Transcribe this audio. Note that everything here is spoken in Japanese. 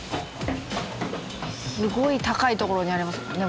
すごい高い所にありますもんね